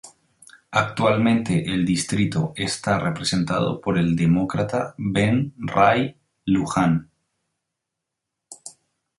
Actualmente el distrito está representado por el Demócrata Ben Ray Lujan.